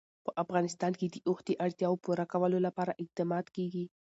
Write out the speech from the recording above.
په افغانستان کې د اوښ د اړتیاوو پوره کولو لپاره اقدامات کېږي.